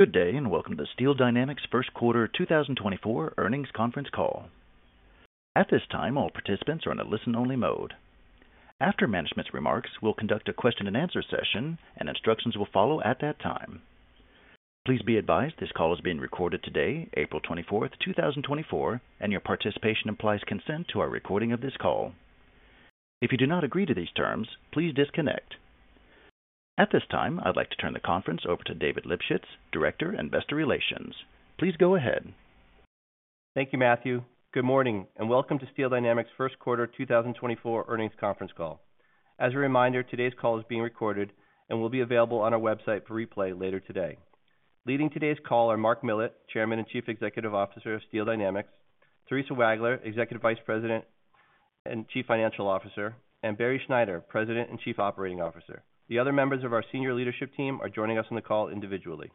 Good day, and welcome to Steel Dynamics' First Quarter 2024 Earnings Conference Call. At this time, all participants are on a listen-only mode. After management's remarks, we'll conduct a question-and-answer session, and instructions will follow at that time. Please be advised this call is being recorded today, April 24th, 2024, and your participation implies consent to our recording of this call. If you do not agree to these terms, please disconnect. At this time, I'd like to turn the conference over to David Lipschitz, Director, Investor Relations. Please go ahead. Thank you, Matthew. Good morning, and welcome to Steel Dynamics' First Quarter 2024 earnings conference call. As a reminder, today's call is being recorded and will be available on our website for replay later today. Leading today's call are Mark Millett, Chairman and Chief Executive Officer of Steel Dynamics, Theresa Wagler, Executive Vice President and Chief Financial Officer, and Barry Schneider, President and Chief Operating Officer. The other members of our senior leadership team are joining us on the call individually.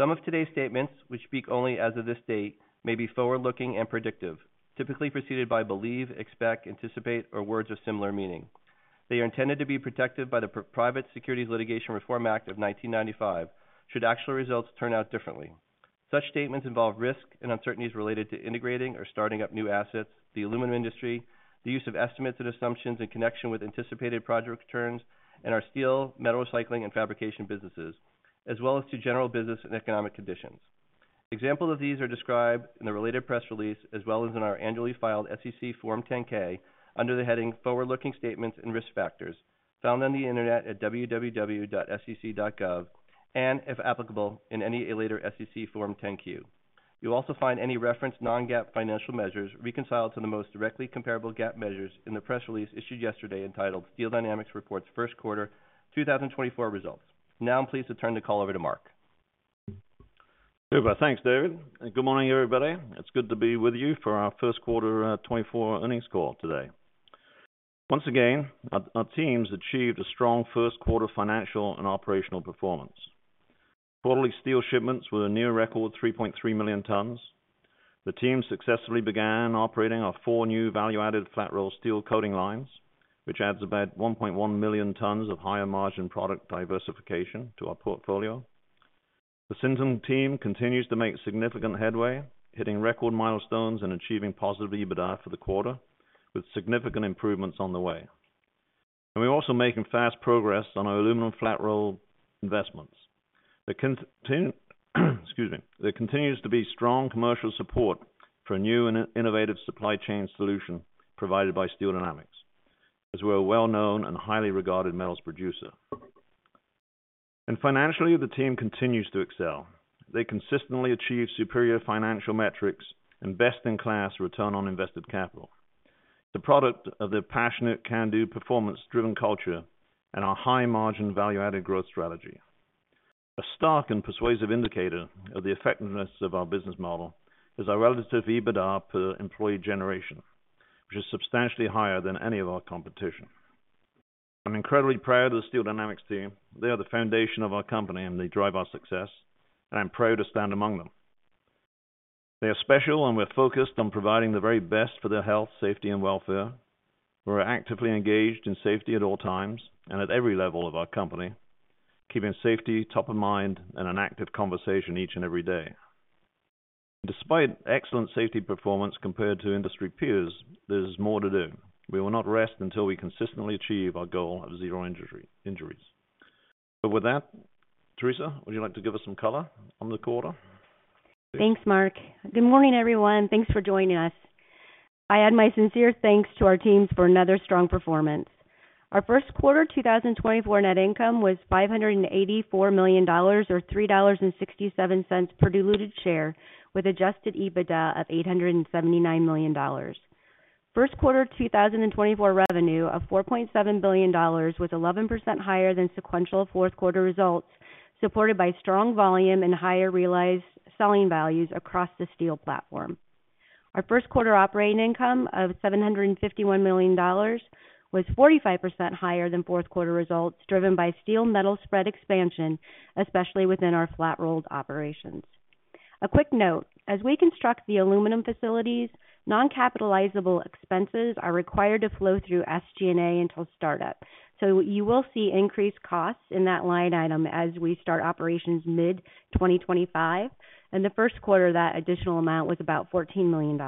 Some of today's statements, which speak only as of this date, may be forward-looking and predictive, typically preceded by believe, expect, anticipate, or words of similar meaning. They are intended to be protected by the Private Securities Litigation Reform Act of 1995 should actual results turn out differently. Such statements involve risks and uncertainties related to integrating or starting up new assets, the aluminum industry, the use of estimates and assumptions in connection with anticipated project returns, and our steel, metal recycling, and fabrication businesses, as well as to general business and economic conditions. Examples of these are described in the related press release, as well as in our annually filed SEC Form 10-K, under the heading Forward-Looking Statements and Risk Factors, found on the Internet at www.sec.gov, and, if applicable, in any later SEC Form 10-Q. You'll also find any referenced non-GAAP financial measures reconciled to the most directly comparable GAAP measures in the press release issued yesterday, entitled Steel Dynamics Reports First Quarter 2024 Results. Now, I'm pleased to turn the call over to Mark. Thanks, David, and good morning, everybody. It's good to be with you for our first quarter 2024 earnings call today. Once again, our teams achieved a strong first-quarter financial and operational performance. Quarterly steel shipments were a near record 3.3 million tons. The team successfully began operating our 4 new value-added flat-roll steel coating lines, which adds about 1.1 million tons of higher-margin product diversification to our portfolio. The Sinton team continues to make significant headway, hitting record milestones and achieving positive EBITDA for the quarter, with significant improvements on the way. We're also making fast progress on our aluminum flat roll investments. There continues to be strong commercial support for a new and innovative supply chain solution provided by Steel Dynamics, as we're a well-known and highly regarded metals producer. Financially, the team continues to excel. They consistently achieve superior financial metrics and best-in-class return on invested capital, the product of their passionate, can-do, performance-driven culture and our high-margin, value-added growth strategy. A stark and persuasive indicator of the effectiveness of our business model is our relative EBITDA per employee generation, which is substantially higher than any of our competition. I'm incredibly proud of the Steel Dynamics team. They are the foundation of our company, and they drive our success, and I'm proud to stand among them. They are special, and we're focused on providing the very best for their health, safety, and welfare. We're actively engaged in safety at all times and at every level of our company, keeping safety top of mind and an active conversation each and every day. Despite excellent safety performance compared to industry peers, there's more to do. We will not rest until we consistently achieve our goal of zero injuries. So with that, Theresa, would you like to give us some color on the quarter? Thanks, Mark. Good morning, everyone. Thanks for joining us. I add my sincere thanks to our teams for another strong performance. Our first quarter 2024 net income was $584 million, or $3.67 per diluted share, with adjusted EBITDA of $879 million. First quarter 2024 revenue of $4.7 billion was 11% higher than sequential fourth quarter results, supported by strong volume and higher realized selling values across the steel platform. Our first quarter operating income of $751 million was 45% higher than fourth quarter results, driven by steel metal spread expansion, especially within our flat-rolled operations. A quick note, as we construct the aluminum facilities, non-capitalizable expenses are required to flow through SG&A until startup. So you will see increased costs in that line item as we start operations mid-2025, and the first quarter, that additional amount was about $14 million.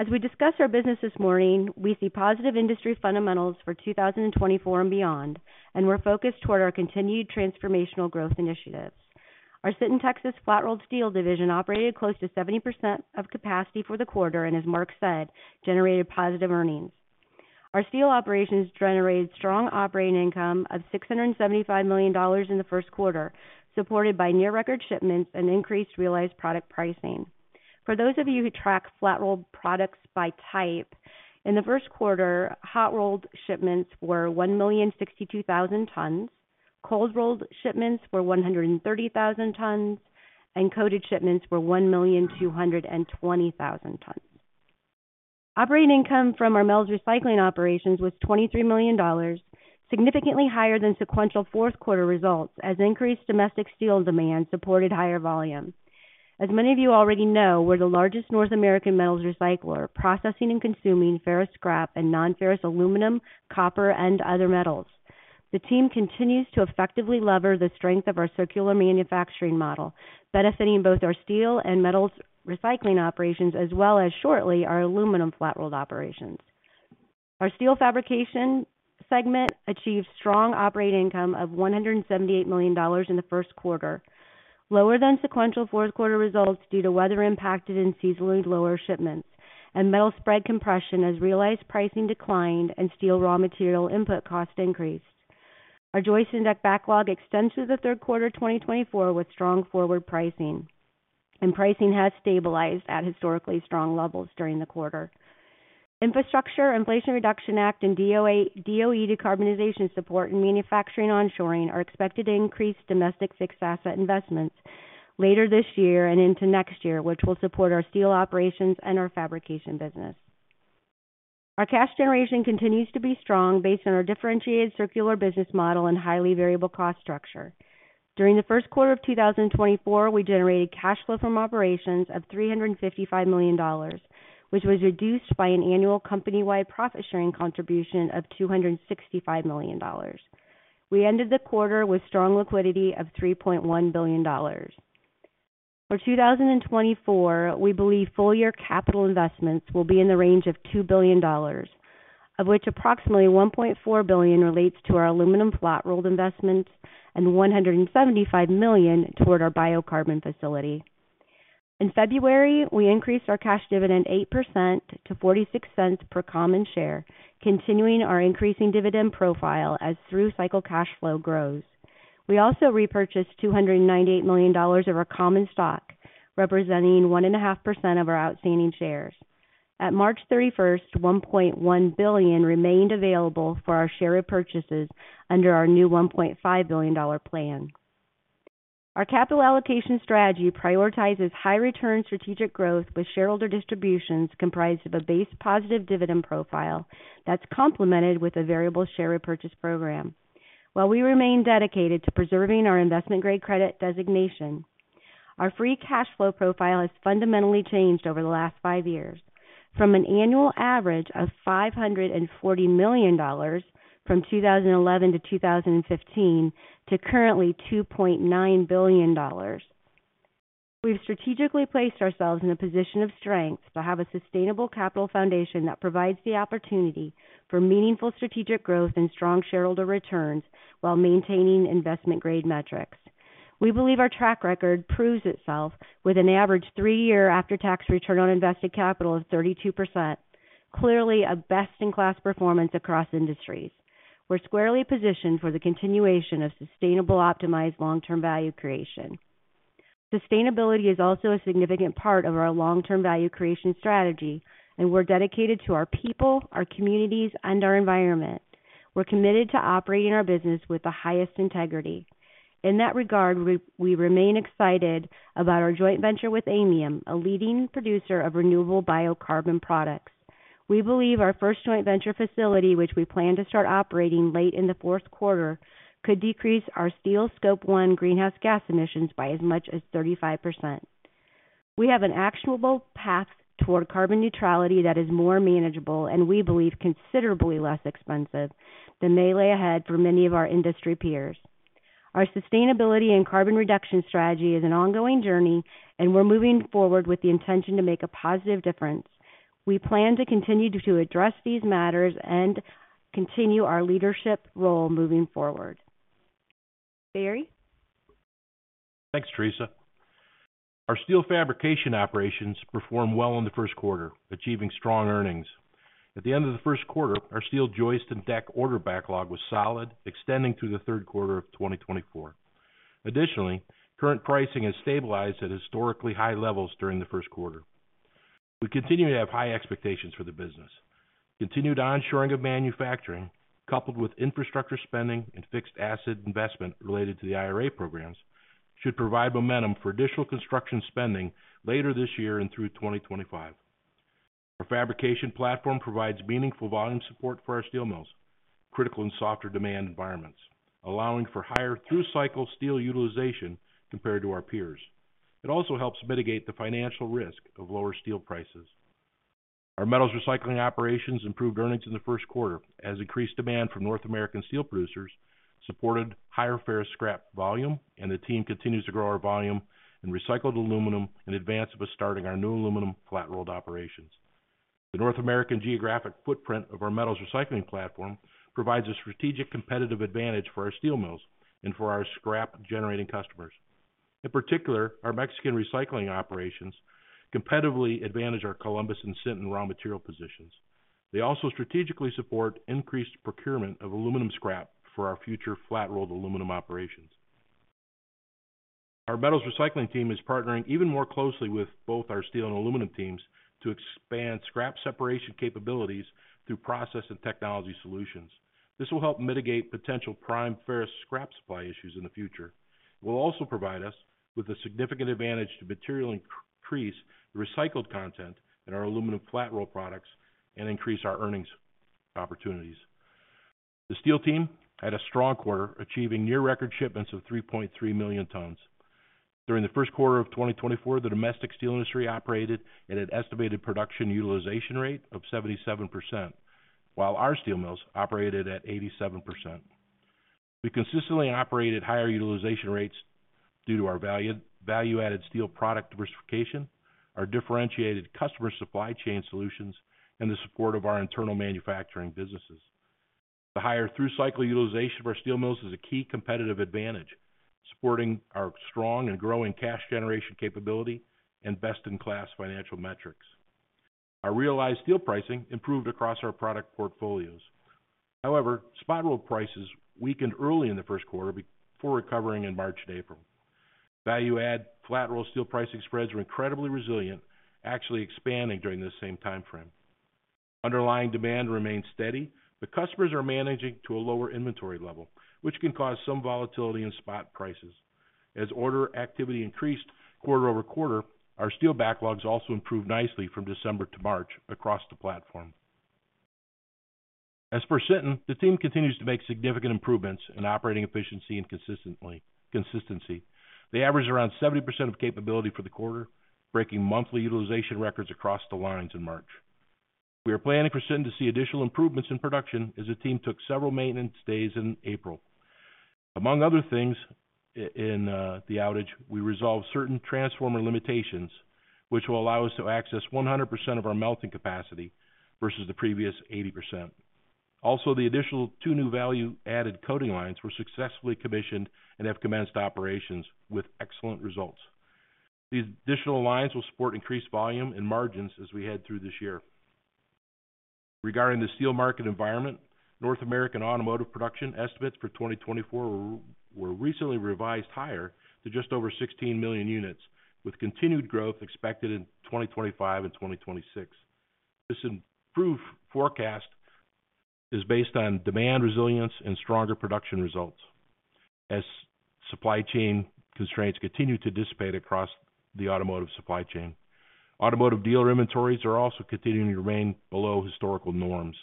As we discuss our business this morning, we see positive industry fundamentals for 2024 and beyond, and we're focused toward our continued transformational growth initiatives. Our Sinton, Texas, flat-rolled steel division operated close to 70% of capacity for the quarter, and as Mark said, generated positive earnings. Our steel operations generated strong operating income of $675 million in the first quarter, supported by near-record shipments and increased realized product pricing. For those of you who track flat-rolled products by type, in the first quarter, hot-rolled shipments were 1,062,000 tons, cold-rolled shipments were 130,000 tons, and coated shipments were 1,220,000 tons. Operating income from our mills' recycling operations was $23 million, significantly higher than sequential fourth-quarter results, as increased domestic steel demand supported higher volume. As many of you already know, we're the largest North American metals recycler, processing and consuming ferrous scrap and non-ferrous aluminum, copper, and other metals.... The team continues to effectively lever the strength of our circular manufacturing model, benefiting both our steel and metals recycling operations, as well as shortly, our aluminum flat-rolled operations. Our steel fabrication segment achieved strong operating income of $178 million in the first quarter, lower than sequential fourth quarter results due to weather-impacted and seasonally lower shipments and metal spread compression as realized pricing declined and steel raw material input costs increased. Our joist and deck backlog extends through the third quarter of 2024, with strong forward pricing, and pricing has stabilized at historically strong levels during the quarter. Infrastructure, Inflation Reduction Act, and DOE decarbonization support and manufacturing onshoring are expected to increase domestic fixed asset investments later this year and into next year, which will support our steel operations and our fabrication business. Our cash generation continues to be strong based on our differentiated circular business model and highly variable cost structure. During the first quarter of 2024, we generated cash flow from operations of $355 million, which was reduced by an annual company-wide profit-sharing contribution of $265 million. We ended the quarter with strong liquidity of $3.1 billion. For 2024, we believe full-year capital investments will be in the range of $2 billion, of which approximately $1.4 billion relates to our aluminum flat-rolled investments and $175 million toward our biocarbon facility. In February, we increased our cash dividend 8% to $0.46 per common share, continuing our increasing dividend profile as through-cycle cash flow grows. We also repurchased $298 million of our common stock, representing 1.5% of our outstanding shares. At March 31, $1.1 billion remained available for our share repurchases under our new $1.5 billion plan. Our capital allocation strategy prioritizes high return strategic growth, with shareholder distributions comprised of a base positive dividend profile that's complemented with a variable share repurchase program. While we remain dedicated to preserving our investment-grade credit designation, our free cash flow profile has fundamentally changed over the last five years. From an annual average of $540 million from 2011 to 2015, to currently $2.9 billion. We've strategically placed ourselves in a position of strength to have a sustainable capital foundation that provides the opportunity for meaningful strategic growth and strong shareholder returns while maintaining investment-grade metrics. We believe our track record proves itself with an average three-year after-tax return on invested capital of 32%, clearly a best-in-class performance across industries. We're squarely positioned for the continuation of sustainable, optimized, long-term value creation. Sustainability is also a significant part of our long-term value creation strategy, and we're dedicated to our people, our communities, and our environment. We're committed to operating our business with the highest integrity. In that regard, we remain excited about our joint venture with Aymium, a leading producer of renewable biocarbon products. We believe our first joint venture facility, which we plan to start operating late in the fourth quarter, could decrease our steel Scope 1 greenhouse gas emissions by as much as 35%. We have an actionable path toward carbon neutrality that is more manageable and we believe, considerably less expensive than may lay ahead for many of our industry peers. Our sustainability and carbon reduction strategy is an ongoing journey, and we're moving forward with the intention to make a positive difference. We plan to continue to address these matters and continue our leadership role moving forward. Barry? Thanks, Theresa. Our steel fabrication operations performed well in the first quarter, achieving strong earnings. At the end of the first quarter, our steel joist and deck order backlog was solid, extending through the third quarter of 2024. Additionally, current pricing has stabilized at historically high levels during the first quarter. We continue to have high expectations for the business. Continued onshoring of manufacturing, coupled with infrastructure spending and fixed asset investment related to the IRA programs, should provide momentum for additional construction spending later this year and through 2025. Our fabrication platform provides meaningful volume support for our steel mills, critical in softer demand environments, allowing for higher through-cycle steel utilization compared to our peers. It also helps mitigate the financial risk of lower steel prices. Our metals recycling operations improved earnings in the first quarter as increased demand from North American steel producers supported higher ferrous scrap volume, and the team continues to grow our volume in recycled aluminum in advance of us starting our new aluminum flat-rolled operations. The North American geographic footprint of our metals recycling platform provides a strategic competitive advantage for our steel mills and for our scrap-generating customers. In particular, our Mexican recycling operations competitively advantage our Columbus and Sinton raw material positions. They also strategically support increased procurement of aluminum scrap for our future flat-rolled aluminum operations. Our metals recycling team is partnering even more closely with both our steel and aluminum teams to expand scrap separation capabilities through process and technology solutions. This will help mitigate potential prime ferrous scrap supply issues in the future. It will also provide us with a significant advantage to materially increase the recycled content in our aluminum flat-roll products and increase our earnings opportunities. The steel team had a strong quarter, achieving near-record shipments of 3.3 million tons.... During the first quarter of 2024, the domestic steel industry operated at an estimated production utilization rate of 77%, while our steel mills operated at 87%. We consistently operated higher utilization rates due to our valued, value-added steel product diversification, our differentiated customer supply chain solutions, and the support of our internal manufacturing businesses. The higher through-cycle utilization of our steel mills is a key competitive advantage, supporting our strong and growing cash generation capability and best-in-class financial metrics. Our realized steel pricing improved across our product portfolios. However, spot roll prices weakened early in the first quarter before recovering in March and April. Value-add flat roll steel pricing spreads were incredibly resilient, actually expanding during this same time frame. Underlying demand remains steady, but customers are managing to a lower inventory level, which can cause some volatility in spot prices. As order activity increased quarter-over-quarter, our steel backlogs also improved nicely from December to March across the platform. As for Sinton, the team continues to make significant improvements in operating efficiency and consistency. They averaged around 70% of capability for the quarter, breaking monthly utilization records across the lines in March. We are planning for Sinton to see additional improvements in production as the team took several maintenance days in April. Among other things, in the outage, we resolved certain transformer limitations, which will allow us to access 100% of our melting capacity versus the previous 80%. Also, the additional two new value-added coating lines were successfully commissioned and have commenced operations with excellent results. These additional lines will support increased volume and margins as we head through this year. Regarding the steel market environment, North American automotive production estimates for 2024 were recently revised higher to just over 16 million units, with continued growth expected in 2025 and 2026. This improved forecast is based on demand, resilience, and stronger production results as supply chain constraints continue to dissipate across the automotive supply chain. Automotive dealer inventories are also continuing to remain below historical norms.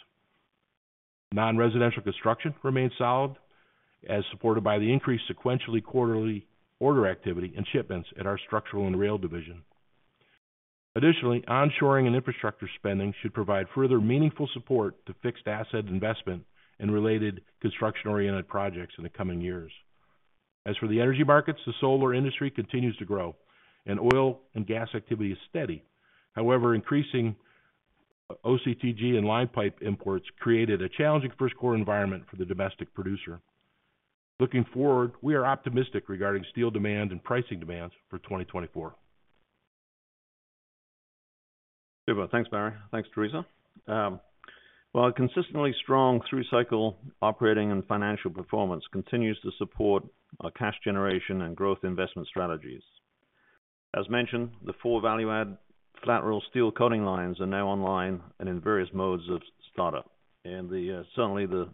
Non-residential construction remains solid, as supported by the increased sequentially quarterly order activity and shipments at our structural and rail division. Additionally, onshoring and infrastructure spending should provide further meaningful support to fixed asset investment and related construction-oriented projects in the coming years. As for the energy markets, the solar industry continues to grow, and oil and gas activity is steady. However, increasing OCTG and line pipe imports created a challenging first quarter environment for the domestic producer. Looking forward, we are optimistic regarding steel demand and pricing demands for 2024. Thanks, Barry. Thanks, Theresa. Well, our consistently strong through-cycle operating and financial performance continues to support our cash generation and growth investment strategies. As mentioned, the four value-add flat-roll steel coating lines are now online and in various modes of startup. And certainly, the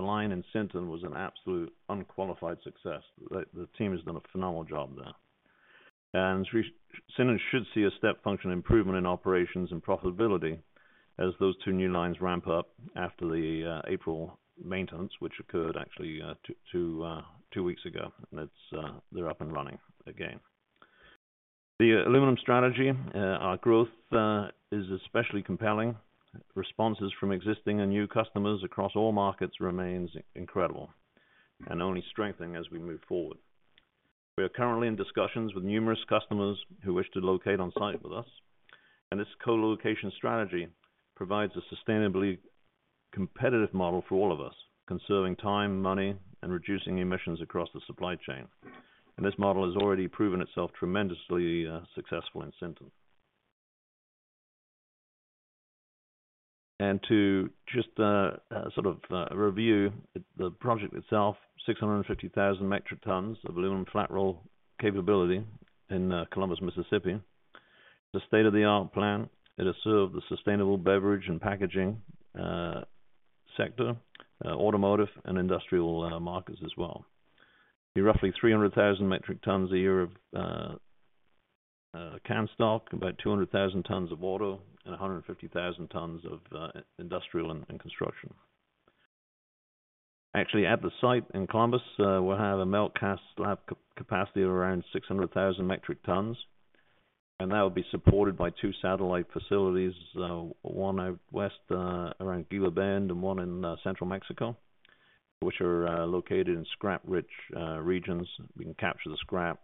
line in Sinton was an absolute unqualified success. The team has done a phenomenal job there. And Sinton should see a step function improvement in operations and profitability as those two new lines ramp up after the April maintenance, which occurred actually two weeks ago, and they're up and running again. The aluminum strategy, our growth, is especially compelling. Responses from existing and new customers across all markets remains incredible and only strengthening as we move forward. We are currently in discussions with numerous customers who wish to locate on-site with us, and this co-location strategy provides a sustainably competitive model for all of us, conserving time, money, and reducing emissions across the supply chain. And this model has already proven itself tremendously successful in Sinton. And to just sort of review the project itself, 650,000 metric tons of aluminum flat-roll capability in Columbus, Mississippi. It's a state-of-the-art plant. It has served the sustainable beverage and packaging sector, automotive and industrial markets as well. Roughly 300,000 metric tons a year of can stock, about 200,000 tons of auto, and 150,000 tons of industrial and construction. Actually, at the site in Columbus, we'll have a melt-cast slab capacity of around 600,000 metric tons, and that will be supported by two satellite facilities, one out west, around Gila Bend and one in central Mexico, which are located in scrap-rich regions. We can capture the scrap,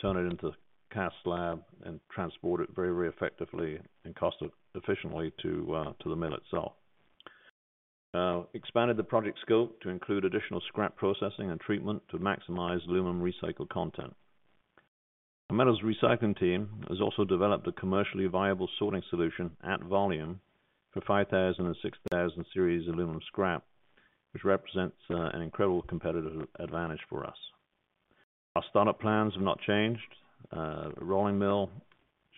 turn it into cast slab, and transport it very, very effectively and cost-efficiently to the mill itself. Expanded the project scope to include additional scrap processing and treatment to maximize aluminum recycled content. Our metals recycling team has also developed a commercially viable sorting solution at volume for 5,000 and 6,000 series aluminum scrap, which represents an incredible competitive advantage for us. Our startup plans have not changed. The rolling mill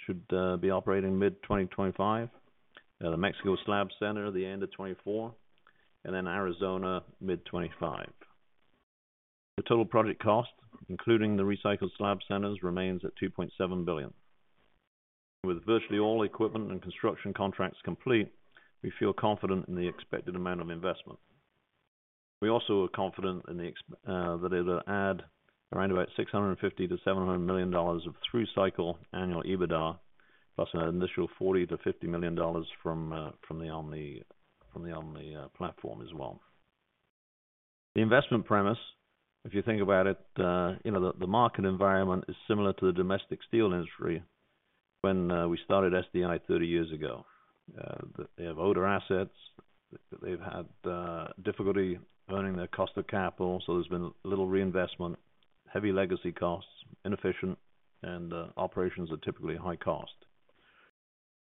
should be operating mid-2025, the Mexico slab center, the end of 2024, and then Arizona, mid-2025. The total project cost, including the recycled slab centers, remains at $2.7 billion. With virtually all equipment and construction contracts complete, we feel confident in the expected amount of investment. We also are confident in that it'll add around about $650 million-$700 million of through cycle annual EBITDA, plus an initial $40 million-$50 million from the Omni platform as well. The investment premise, if you think about it, you know, the market environment is similar to the domestic steel industry when we started SDI thirty years ago. They have older assets that they've had difficulty earning their cost of capital, so there's been little reinvestment, heavy legacy costs, inefficient, and operations are typically high cost.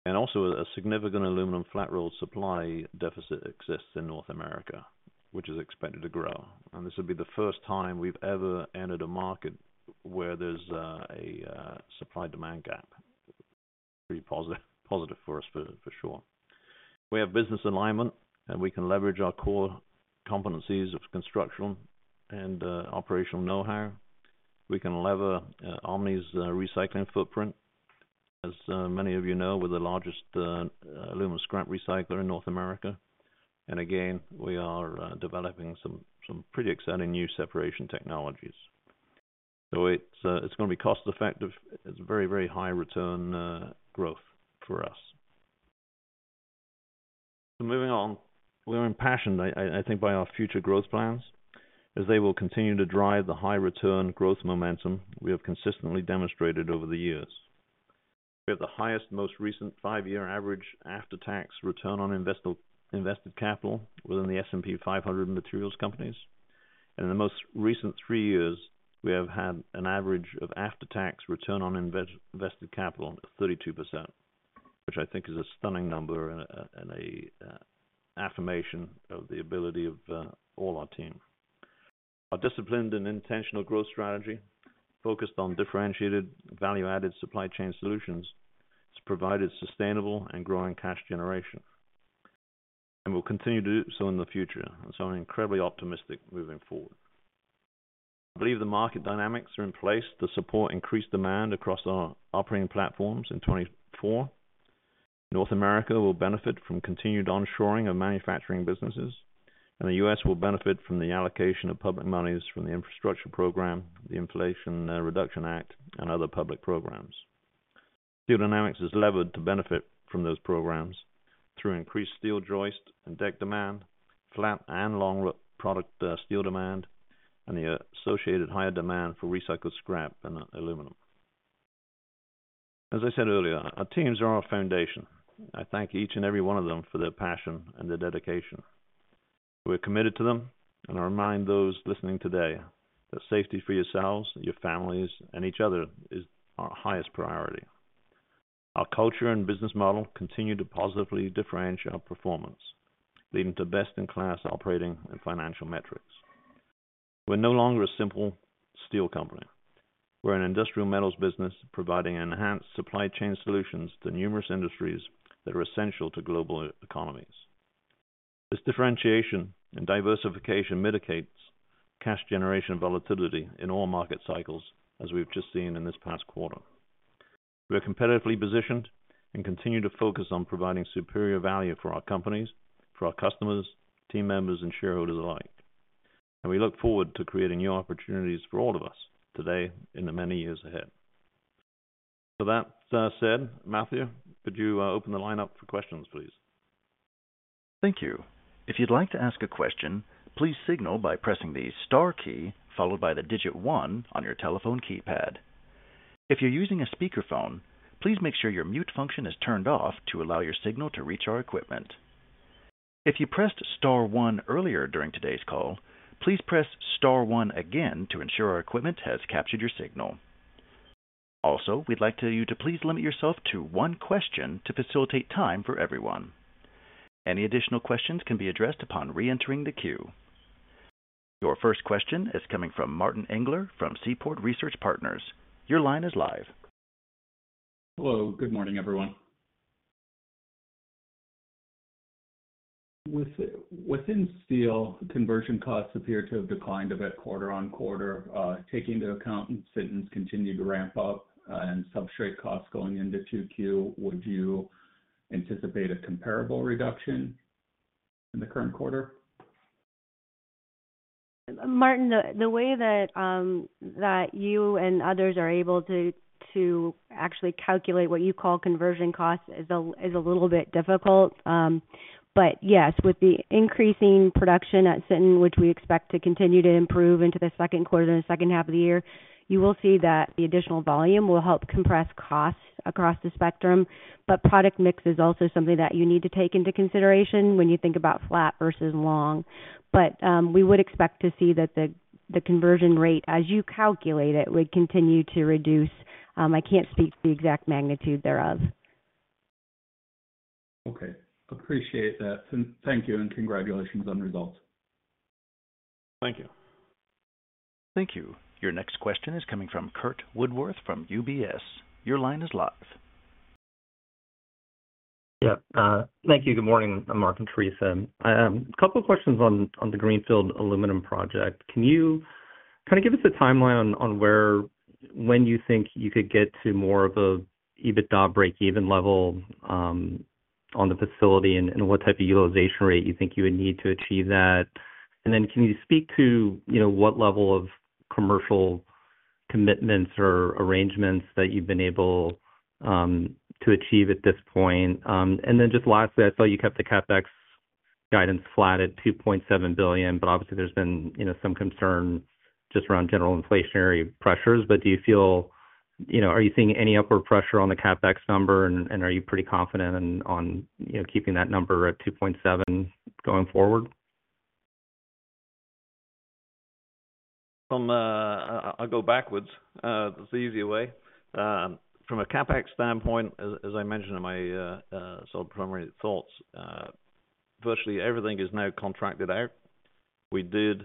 And also, a significant aluminum flat roll supply deficit exists in North America, which is expected to grow. And this will be the first time we've ever entered a market where there's a supply-demand gap. Pretty positive, positive for us for sure. We have business alignment, and we can leverage our core competencies of construction and operational know-how. We can lever Omni's recycling footprint. As many of you know, we're the largest aluminum scrap recycler in North America. And again, we are developing some pretty exciting new separation technologies. So it's gonna be cost effective. It's very, very high return growth for us. So moving on. We're impassioned, I think, by our future growth plans, as they will continue to drive the high return growth momentum we have consistently demonstrated over the years. We have the highest, most recent 5-year average after-tax return on invested capital within the S&P 500 materials companies. In the most recent 3 years, we have had an average of after-tax return on invested capital of 32%, which I think is a stunning number and a affirmation of the ability of all our team. Our disciplined and intentional growth strategy, focused on differentiated value-added supply chain solutions, has provided sustainable and growing cash generation, and will continue to do so in the future. So I'm incredibly optimistic moving forward. I believe the market dynamics are in place to support increased demand across our operating platforms in 2024. North America will benefit from continued onshoring of manufacturing businesses, and the U.S. will benefit from the allocation of public monies from the infrastructure program, the Inflation Reduction Act, and other public programs. Steel Dynamics is levered to benefit from those programs through increased steel joist and deck demand, flat and long product, steel demand, and the associated higher demand for recycled scrap and aluminum. As I said earlier, our teams are our foundation. I thank each and every one of them for their passion and their dedication. We're committed to them, and I remind those listening today that safety for yourselves, your families, and each other is our highest priority. Our culture and business model continue to positively differentiate our performance, leading to best-in-class operating and financial metrics. We're no longer a simple steel company. We're an industrial metals business, providing enhanced supply chain solutions to numerous industries that are essential to global economies. This differentiation and diversification mitigates cash generation volatility in all market cycles, as we've just seen in this past quarter. We are competitively positioned and continue to focus on providing superior value for our companies, for our customers, team members, and shareholders alike. And we look forward to creating new opportunities for all of us today in the many years ahead. So that said, Matthew, could you open the line up for questions, please? Thank you. If you'd like to ask a question, please signal by pressing the star key, followed by the digit one on your telephone keypad. If you're using a speakerphone, please make sure your mute function is turned off to allow your signal to reach our equipment. If you pressed star one earlier during today's call, please press star one again to ensure our equipment has captured your signal. Also, we'd like you to please limit yourself to one question to facilitate time for everyone. Any additional questions can be addressed upon reentering the queue. Your first question is coming from Martin Englert, from Seaport Research Partners. Your line is live. Hello. Good morning, everyone. Within steel, conversion costs appear to have declined a bit quarter-over-quarter. Taking into account Sinton continue to ramp up, and substrate costs going into 2Q, would you anticipate a comparable reduction in the current quarter? Martin, the way that you and others are able to actually calculate what you call conversion costs is a little bit difficult. But yes, with the increasing production at Sinton, which we expect to continue to improve into the second quarter and the second half of the year, you will see that the additional volume will help compress costs across the spectrum. But product mix is also something that you need to take into consideration when you think about flat versus long. But we would expect to see that the conversion rate, as you calculate it, would continue to reduce. I can't speak to the exact magnitude thereof. Okay, appreciate that. Thank you, and congratulations on the results. Thank you. Thank you. Your next question is coming from Curt Woodworth from UBS. Your line is live.... Yeah, thank you. Good morning, I'm Mark Millett. A couple of questions on the Greenfield Aluminum project. Can you kind of give us a timeline on where, when you think you could get to more of a EBITDA breakeven level on the facility? And what type of utilization rate you think you would need to achieve that? And then can you speak to, you know, what level of commercial commitments or arrangements that you've been able to achieve at this point? And then just lastly, I saw you kept the CapEx guidance flat at $2.7 billion, but obviously there's been, you know, some concern just around general inflationary pressures. But do you feel, you know, are you seeing any upward pressure on the CapEx number, and are you pretty confident in, on, you know, keeping that number at $2.7 going forward? From, I'll go backwards, that's the easier way. From a CapEx standpoint, as I mentioned in my sort of preliminary thoughts, virtually everything is now contracted out. We did,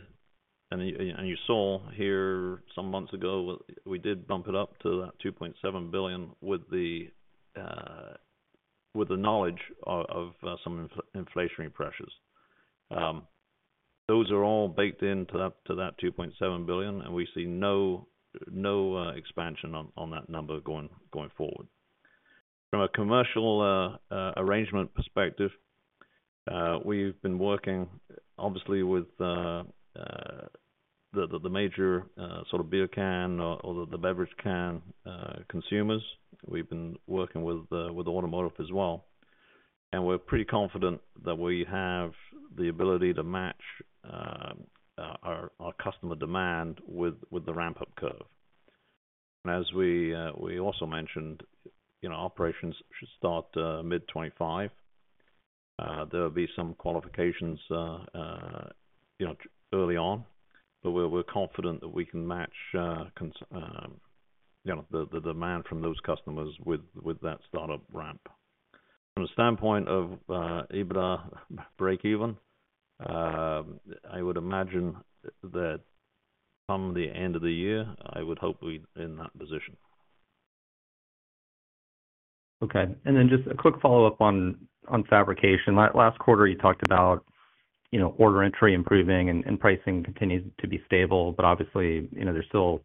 and you saw here some months ago, we did bump it up to that $2.7 billion, with the knowledge of some inflationary pressures. Those are all baked into that $2.7 billion, and we see no expansion on that number going forward. From a commercial arrangement perspective, we've been working obviously with the major sort of beer can or the beverage can consumers. We've been working with with automotive as well, and we're pretty confident that we have the ability to match our our customer demand with with the ramp-up curve. And as we we also mentioned, you know, operations should start mid-2025. There will be some qualifications you know early on, but we're we're confident that we can match you know the the demand from those customers with with that startup ramp. From a standpoint of EBITDA breakeven, I would imagine that from the end of the year, I would hope be in that position. Okay, and then just a quick follow-up on fabrication. Last quarter, you talked about, you know, order entry improving and pricing continues to be stable, but obviously, you know, there's still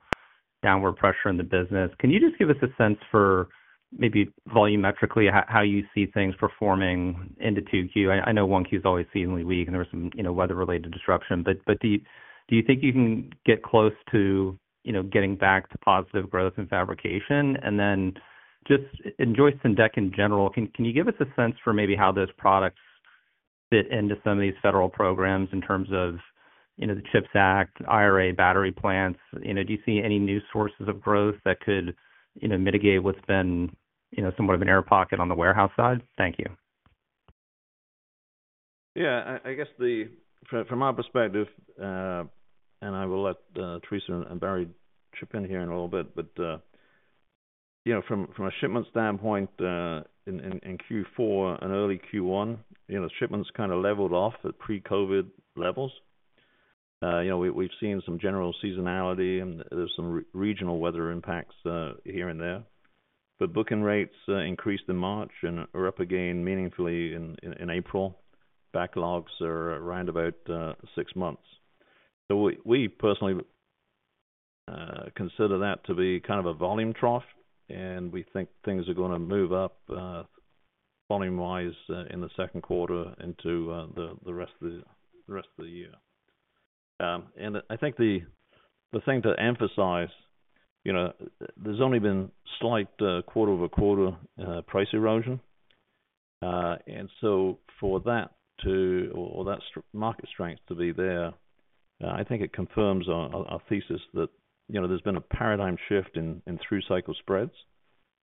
downward pressure in the business. Can you just give us a sense for maybe volumetrically, how you see things performing into 2Q? I know 1Q is always seasonally weak, and there was some, you know, weather-related disruption, but do you think you can get close to, you know, getting back to positive growth in fabrication? And then just in joist and deck in general, can you give us a sense for maybe how those products fit into some of these federal programs in terms of, you know, the CHIPS Act, IRA battery plants? You know, do you see any new sources of growth that could, you know, mitigate what's been, you know, somewhat of an air pocket on the warehouse side? Thank you. Yeah, I guess the... From our perspective, and I will let Theresa and Barry chip in here in a little bit, but you know, from a shipment standpoint, in Q4 and early Q1, you know, shipments kind of leveled off at pre-COVID levels. You know, we've seen some general seasonality and there's some regional weather impacts here and there. But booking rates increased in March and are up again meaningfully in April. Backlogs are around about six months. So we personally consider that to be kind of a volume trough, and we think things are gonna move up volume-wise in the second quarter into the rest of the year. And I think the thing to emphasize, you know, there's only been slight quarter-over-quarter price erosion. And so for that, or that market strength, to be there, I think it confirms our thesis that, you know, there's been a paradigm shift in through-cycle spreads.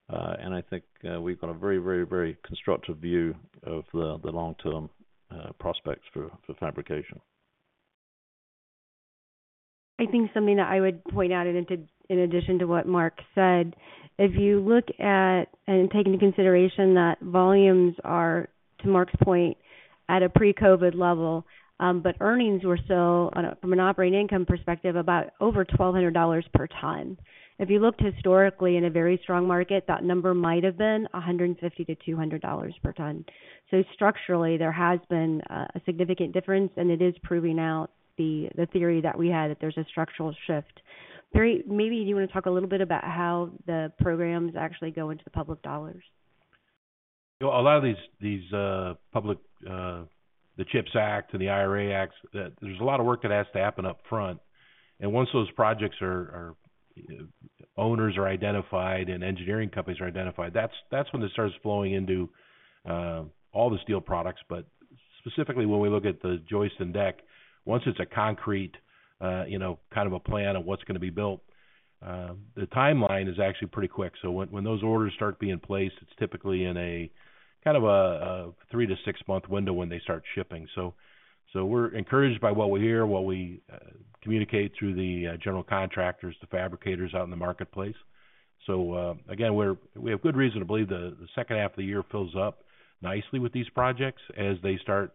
And I think we've got a very, very, very constructive view of the long-term prospects for fabrication. I think something that I would point out, and in addition to what Mark said, if you look at and take into consideration that volumes are, to Mark's point, at a pre-COVID level, but earnings were still, from an operating income perspective, about over $1,200 per ton. If you looked historically in a very strong market, that number might have been $150-$200 per ton. So structurally, there has been a significant difference, and it is proving out the theory that we had, that there's a structural shift. Barry, maybe you wanna talk a little bit about how the programs actually go into the public dollars. You know, a lot of these public, the CHIPS Act and the IRA Acts, that there's a lot of work that has to happen up front. And once those projects are, owners are identified and engineering companies are identified, that's when it starts flowing into all the steel products. But specifically, when we look at the joist and deck, once it's a concrete, you know, kind of a plan on what's gonna be built, the timeline is actually pretty quick. So when those orders start being placed, it's typically in a kind of a 3- to 6-month window when they start shipping. So we're encouraged by what we hear, what we communicate through the general contractors, the fabricators out in the marketplace. So, again, we have good reason to believe the second half of the year fills up nicely with these projects as they start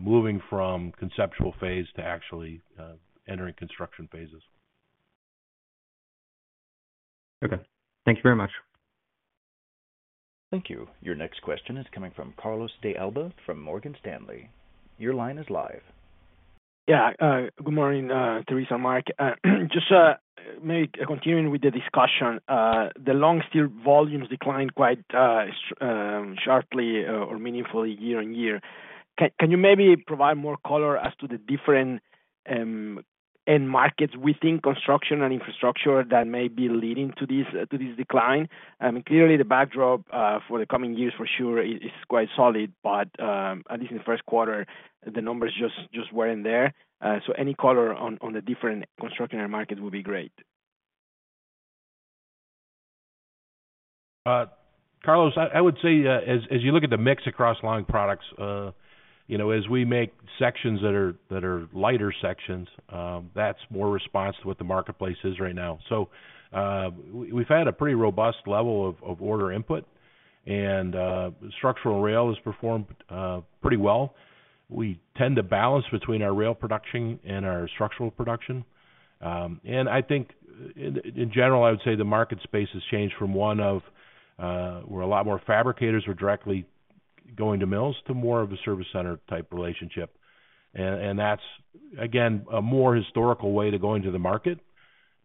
moving from conceptual phase to actually entering construction phases.... Okay. Thank you very much. Thank you. Your next question is coming from Carlos de Alba from Morgan Stanley. Your line is live. Yeah, good morning, Theresa, Mark. Just maybe continuing with the discussion, the long steel volumes declined quite sharply or meaningfully year-over-year. Can you maybe provide more color as to the different end markets within construction and infrastructure that may be leading to this, to this decline? Clearly the backdrop for the coming years, for sure, is quite solid, but at least in the first quarter, the numbers just weren't there. So any color on the different construction end markets would be great. Carlos, I would say, as you look at the mix across long products, you know, as we make sections that are lighter sections, that's more response to what the marketplace is right now. So, we've had a pretty robust level of order input, and structural rail has performed pretty well. We tend to balance between our rail production and our structural production. And I think in general, I would say the market space has changed from one of where a lot more fabricators are directly going to mills, to more of a service center-type relationship. And that's, again, a more historical way to go into the market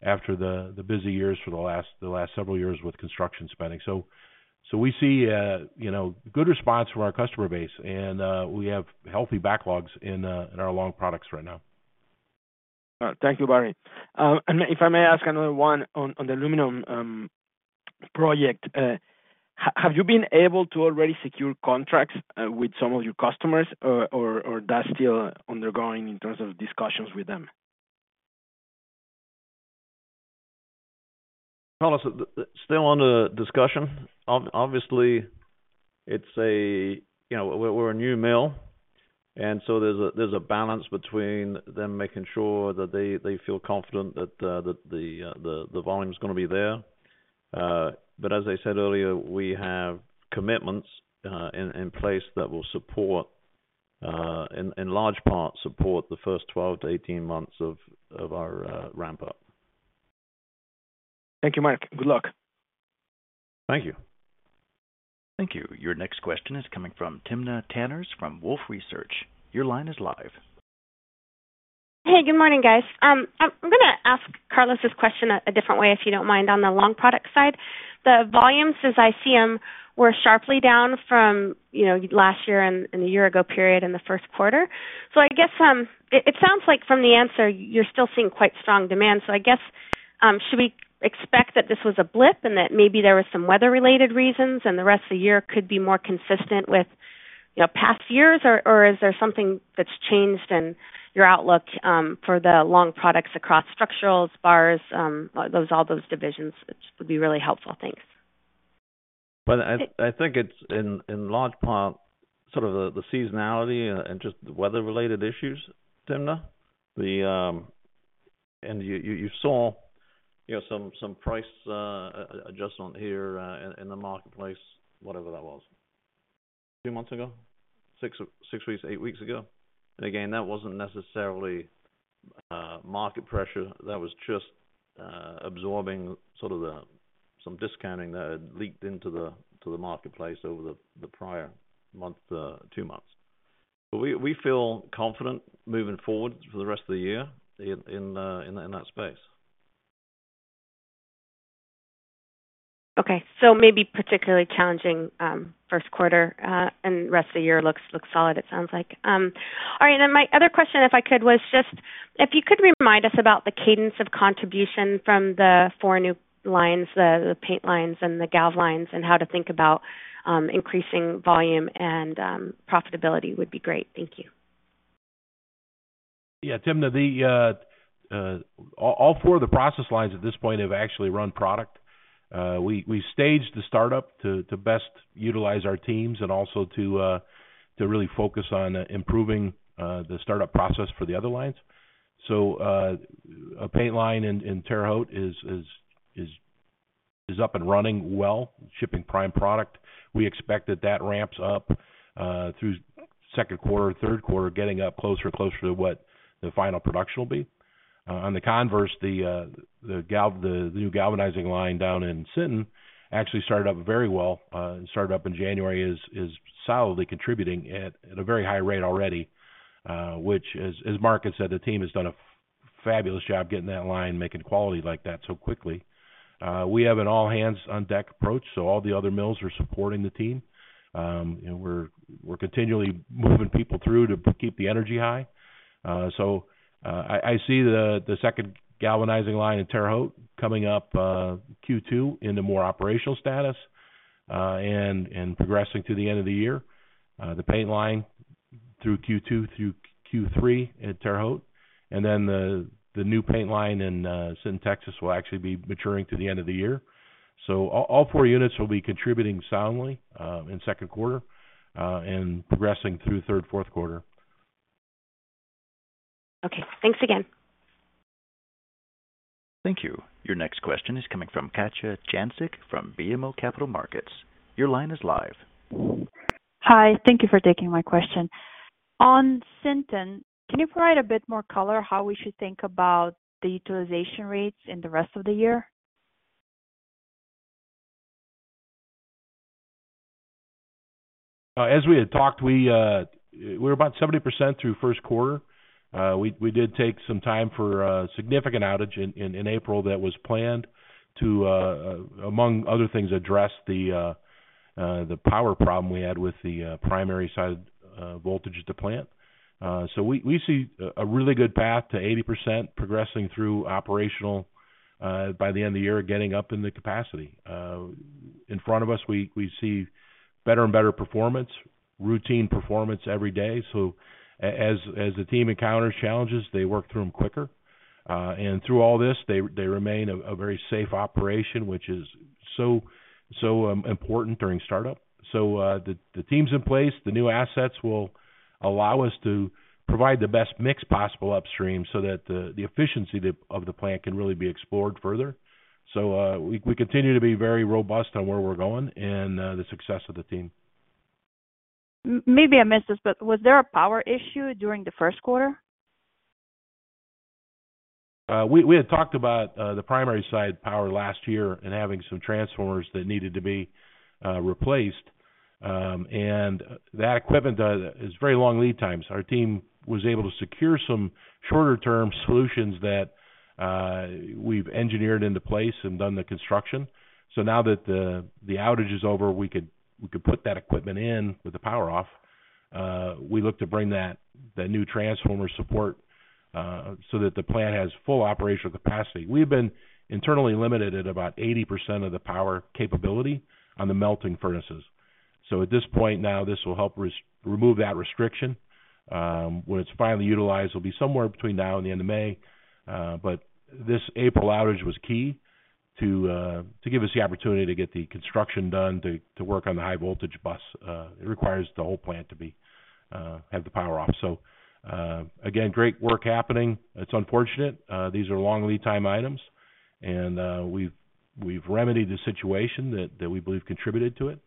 after the busy years for the last several years with construction spending. So we see, you know, good response from our customer base, and we have healthy backlogs in our long products right now. Thank you, Barry. And if I may ask another one on the aluminum project. Have you been able to already secure contracts with some of your customers, or that's still undergoing in terms of discussions with them? Carlos, still under discussion. Obviously, it's a, you know, we're a new mill, and so there's a balance between them making sure that they feel confident that the volume is gonna be there. But as I said earlier, we have commitments in place that will support in large part support the first 12-18 months of our ramp up. Thank you, Mark. Good luck. Thank you. Thank you. Your next question is coming from Timna Tanners from Wolfe Research. Your line is live. Hey, good morning, guys. I'm gonna ask Carlos's question a different way, if you don't mind, on the long product side. The volumes, as I see them, were sharply down from, you know, last year and the year ago period in the first quarter. So I guess it sounds like from the answer, you're still seeing quite strong demand. So I guess should we expect that this was a blip and that maybe there was some weather-related reasons and the rest of the year could be more consistent with, you know, past years? Or is there something that's changed in your outlook for the long products across structurals, bars, those, all those divisions? Which would be really helpful. Thanks. Well, I think it's in large part sort of the seasonality and just the weather-related issues, Timna. And you saw, you know, some price adjustment here in the marketplace, whatever that was. 2 months ago? 6 weeks, 8 weeks ago. And again, that wasn't necessarily market pressure. That was just absorbing sort of some discounting that had leaked into the marketplace over the prior month, 2 months. But we feel confident moving forward for the rest of the year in that space. Okay. So maybe particularly challenging first quarter, and the rest of the year looks solid, it sounds like. All right, and then my other question, if I could, was just if you could remind us about the cadence of contribution from the four new lines, the paint lines and the gal lines, and how to think about increasing volume and profitability would be great. Thank you. Yeah, Timna, all four of the process lines at this point have actually run product. We staged the startup to best utilize our teams and also to really focus on improving the startup process for the other lines. So, a paint line in Terre Haute is up and running well, shipping prime product. We expect that that ramps up through second quarter, third quarter, getting up closer and closer to what the final production will be. On the converse, the new galvanizing line down in Sinton actually started up very well. It started up in January, is solidly contributing at a very high rate already, which as Mark has said, the team has done a fabulous job getting that line, making quality like that so quickly. We have an all-hands-on-deck approach, so all the other mills are supporting the team. And we're continually moving people through to keep the energy high. So, I see the second galvanizing line in Terre Haute coming up Q2 into more operational status, and progressing to the end of the year. The paint line through Q2 through Q3 in Terre Haute, and then the new paint line in Sinton, Texas, will actually be maturing to the end of the year. So all, all four units will be contributing soundly in second quarter and progressing through third, fourth quarter. Okay. Thanks again. Thank you. Your next question is coming from Katja Jancic from BMO Capital Markets. Your line is live. Hi, thank you for taking my question. On Sinton, can you provide a bit more color how we should think about the utilization rates in the rest of the year? As we had talked, we're about 70% through first quarter. We did take some time for significant outage in April, that was planned to, among other things, address the power problem we had with the primary side voltage at the plant. So we see a really good path to 80% progressing through operational by the end of the year, getting up in the capacity. In front of us, we see better and better performance, routine performance every day. So as the team encounters challenges, they work through them quicker. And through all this, they remain a very safe operation, which is so important during startup. So the team's in place. The new assets will allow us to provide the best mix possible upstream so that the efficiency of the plant can really be explored further. So, we continue to be very robust on where we're going and the success of the team. Maybe I missed this, but was there a power issue during the first quarter? We had talked about the primary side power last year and having some transformers that needed to be replaced. And that equipment is very long lead times. Our team was able to secure some shorter-term solutions that we've engineered into place and done the construction. So now that the outage is over, we could put that equipment in with the power off. We look to bring that, the new transformer support, so that the plant has full operational capacity. We've been internally limited at about 80% of the power capability on the melting furnaces. So at this point now, this will help remove that restriction. When it's finally utilized, it'll be somewhere between now and the end of May. But this April outage was key to give us the opportunity to get the construction done, to work on the high voltage bus. It requires the whole plant to have the power off. So, again, great work happening. It's unfortunate. These are long lead time items, and we've remedied the situation that we believe contributed to it.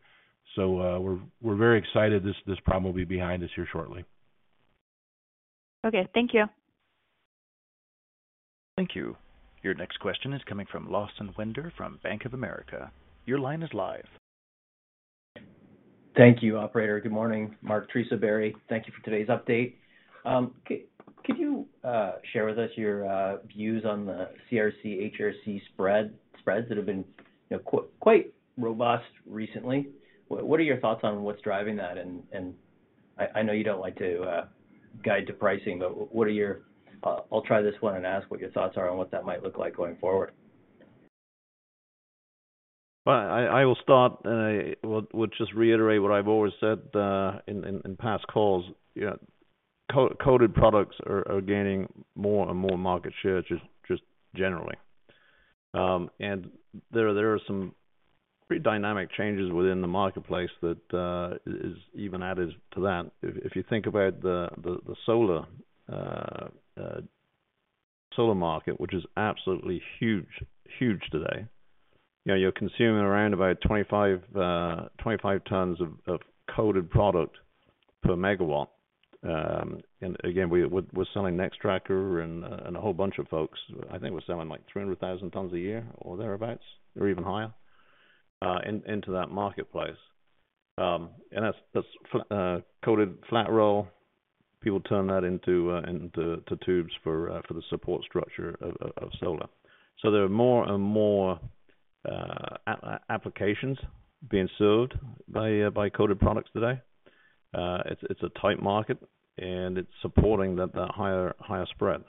So, we're very excited this problem will be behind us here shortly. Okay, thank you. Thank you. Your next question is coming from Lawson Winder, from Bank of America. Your line is live. Thank you, operator. Good morning, Mark, Theresa, Barry. Thank you for today's update. Could you share with us your views on the CRC, HRC spread, spreads that have been, you know, quite robust recently? What are your thoughts on what's driving that? And I know you don't like to guide to pricing, but, I'll try this one and ask what your thoughts are on what that might look like going forward. Well, I will start, and I would just reiterate what I've always said in past calls. Yeah. Coated products are gaining more and more market share, just generally. And there are some pretty dynamic changes within the marketplace that is even added to that. If you think about the solar market, which is absolutely huge today, you know, you're consuming around about 25 tons of coated product per megawatt. And again, we're selling Nextracker and a whole bunch of folks. I think we're selling, like, 300,000 tons a year or thereabouts, or even higher into that marketplace. And that's coated flat roll. People turn that into tubes for the support structure of solar. So there are more and more applications being served by coated products today. It's a tight market, and it's supporting that higher spread.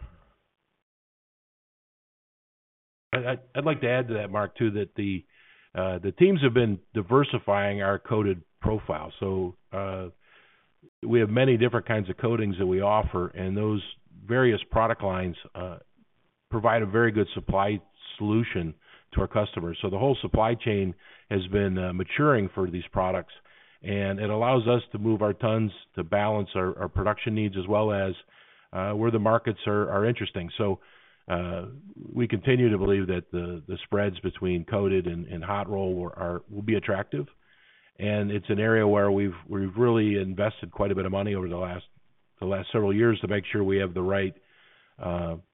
I'd like to add to that, Mark, too, that the teams have been diversifying our coated profile. So, we have many different kinds of coatings that we offer, and those various product lines provide a very good supply solution to our customers. So the whole supply chain has been maturing for these products, and it allows us to move our tons to balance our production needs, as well as where the markets are interesting. So, we continue to believe that the spreads between coated and hot roll will be attractive. It's an area where we've really invested quite a bit of money over the last several years to make sure we have the right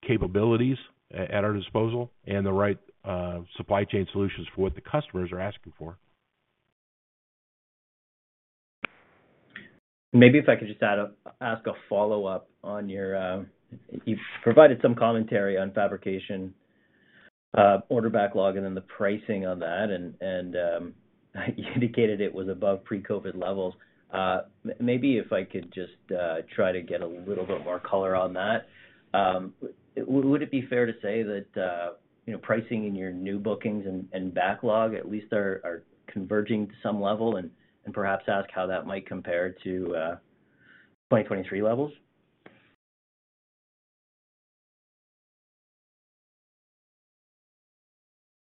capabilities at our disposal and the right supply chain solutions for what the customers are asking for. Maybe if I could just ask a follow-up on your... You've provided some commentary on fabrication, order backlog and then the pricing on that, and you indicated it was above pre-COVID levels. Maybe if I could just try to get a little bit more color on that. Would it be fair to say that, you know, pricing in your new bookings and backlog at least are converging to some level? And perhaps ask how that might compare to 2023 levels.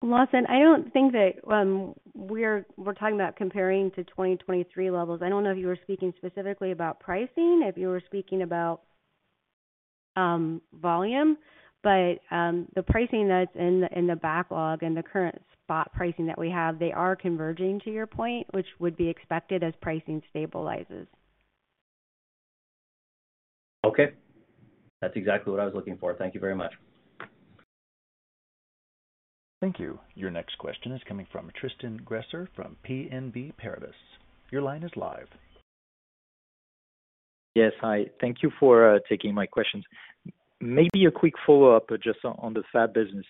Lawson, I don't think that, we're talking about comparing to 2023 levels. I don't know if you were speaking specifically about pricing, if you were speaking about-... volume. But, the pricing that's in the, in the backlog and the current spot pricing that we have, they are converging to your point, which would be expected as pricing stabilizes. Okay. That's exactly what I was looking for. Thank you very much. Thank you. Your next question is coming from Tristan Gresser from BNP Paribas. Your line is live. Yes. Hi, thank you for taking my questions. Maybe a quick follow-up just on the fab business.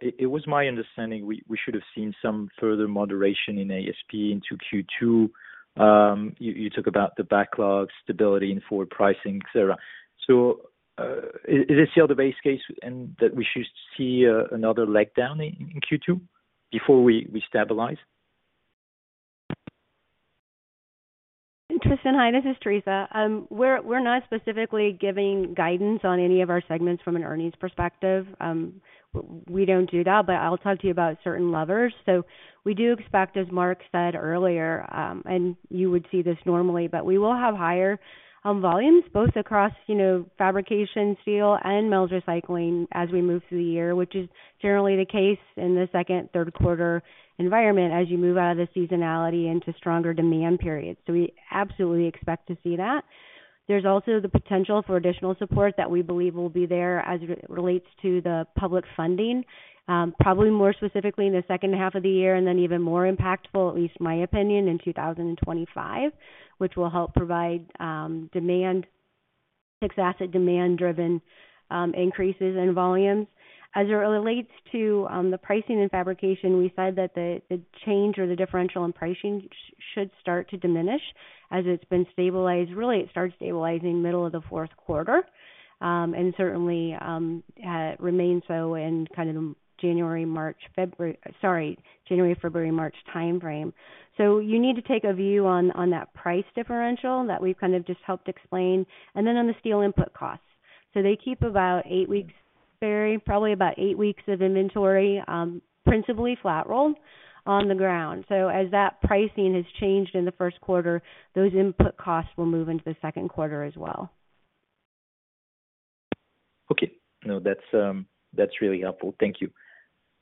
It was my understanding we should have seen some further moderation in ASP into Q2. You talk about the backlog stability and forward pricing, et cetera. So, is this still the base case and that we should see another leg down in Q2 before we stabilize? Tristan, hi, this is Theresa. We're not specifically giving guidance on any of our segments from an earnings perspective. We don't do that, but I'll talk to you about certain levers. So we do expect, as Mark said earlier, and you would see this normally, but we will have higher volumes both across, you know, fabrication, steel and mill recycling as we move through the year, which is generally the case in the second, third quarter environment as you move out of the seasonality into stronger demand periods. So we absolutely expect to see that. There's also the potential for additional support that we believe will be there as it relates to the public funding, probably more specifically in the second half of the year, and then even more impactful, at least my opinion, in 2025, which will help provide, demand- fixed asset demand-driven, increases in volumes. As it relates to, the pricing and fabrication, we said that the, the change or the differential in pricing should start to diminish as it's been stabilized. Really, it started stabilizing middle of the fourth quarter, and certainly, remained so in kind of the January, February, March timeframe. So you need to take a view on, on that price differential that we've kind of just helped explain, and then on the steel input costs. So they keep about eight weeks, Barry, probably about eight weeks of inventory, principally flat-rolled on the ground. So as that pricing has changed in the first quarter, those input costs will move into the second quarter as well. Okay. No, that's really helpful. Thank you.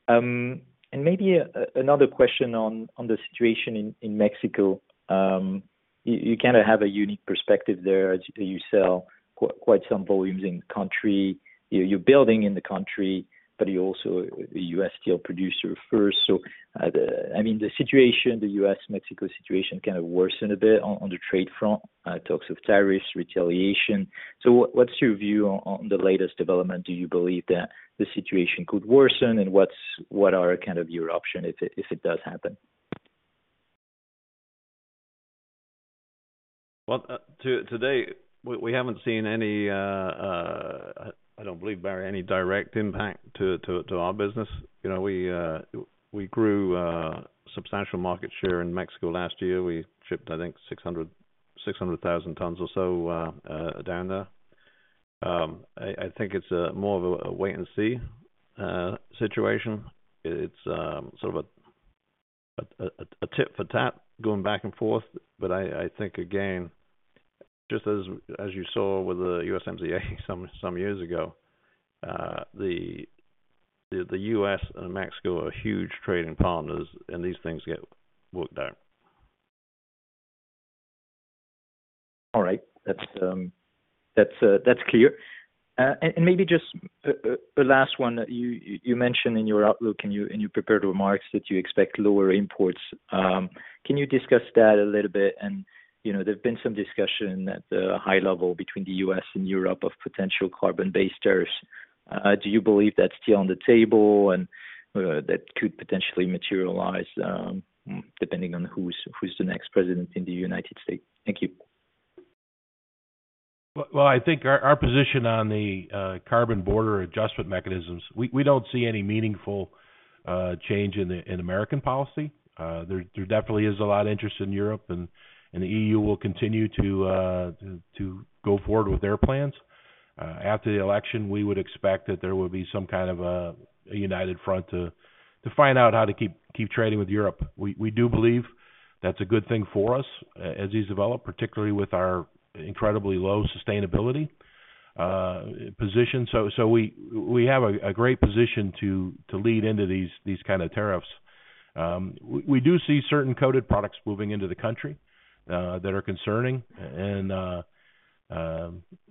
And maybe another question on the situation in Mexico. You kind of have a unique perspective there as you sell quite some volumes in the country. You're building in the country, but you're also a U.S. steel producer first. So, I mean, the situation, the U.S.-Mexico situation, kind of worsened a bit on the trade front, talks of tariffs, retaliation. So what's your view on the latest development? Do you believe that the situation could worsen, and what are kind of your options if it does happen? Well, to date, we haven't seen any, I don't believe, Barry, any direct impact to our business. You know, we grew substantial market share in Mexico last year. We shipped, I think, 600,000 tons or so down there. I think it's more of a wait-and-see situation. It's sort of a tit for tat, going back and forth. But I think again, just as you saw with the USMCA some years ago, the U.S. and Mexico are huge trading partners, and these things get worked out. All right. That's clear. And maybe just a last one. You mentioned in your outlook, in your prepared remarks that you expect lower imports. Can you discuss that a little bit? And, you know, there's been some discussion at the high level between the U.S. and Europe of potential carbon-based tariffs. Do you believe that's still on the table and that could potentially materialize, depending on who's the next president in the United States? Thank you. Well, well, I think our position on the carbon border adjustment mechanisms, we don't see any meaningful change in American policy. There definitely is a lot of interest in Europe, and the EU will continue to go forward with their plans. After the election, we would expect that there will be some kind of a united front to find out how to keep trading with Europe. We do believe that's a good thing for us as these develop, particularly with our incredibly low sustainability position. So we have a great position to lead into these kind of tariffs. We do see certain coated products moving into the country that are concerning.